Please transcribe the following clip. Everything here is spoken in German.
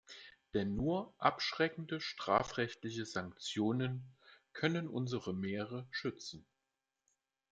Denn nur abschreckende strafrechtliche Sanktionen können unsere Meere schützen!